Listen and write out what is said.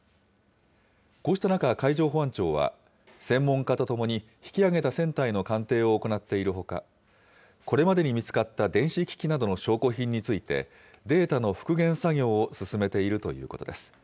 こうした中、海上保安庁は、専門家と共に引き揚げた船体の鑑定を行っているほか、これまでに見つかった電子機器などの証拠品について、データの復元作業を進めているということです。